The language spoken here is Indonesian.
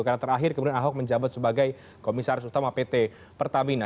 karena terakhir kemudian ahok menjabat sebagai komisaris utama pt pertamina